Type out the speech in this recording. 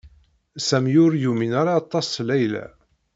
Sami ur yumin ara aṭas Layla.